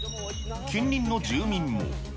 近隣の住民も。